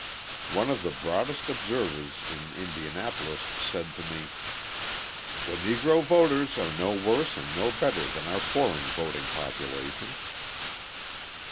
One of the broadest observers in Indianapolis said to me: "The Negro voters are no worse and no better than our foreign voting population."